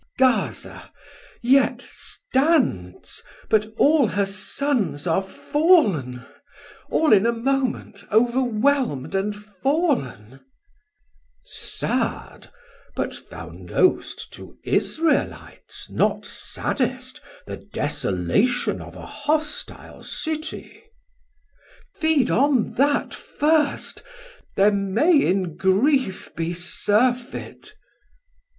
Mess: Gaza yet stands, but all her Sons are fall'n, All in a moment overwhelm'd and fall'n. Man: Sad, but thou knowst to Israelites not saddest 1560 The desolation of a Hostile City. Mess: Feed on that first, there may in grief be surfet.